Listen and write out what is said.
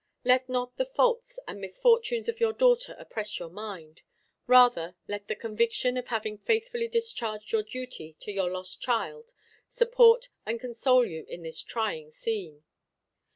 Let not the faults and misfortunes of your daughter oppress your mind. Rather let the conviction of having faithfully discharged your duty to your lost child support and console you in this trying scene.